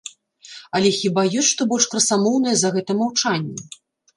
Але хіба ёсць што больш красамоўнае, за гэта маўчанне.